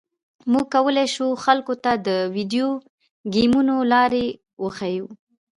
موږ کولی شو خلکو ته د ویډیو ګیمونو لارې وښیو